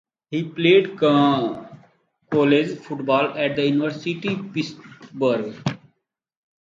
He played college football at the University of Pittsburgh.